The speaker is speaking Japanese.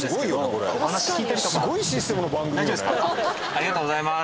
ありがとうございます。